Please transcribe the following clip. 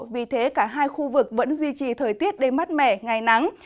vì thế cả hai khu vực vẫn duy trì thời tiết đêm mát mẻ ngày nắng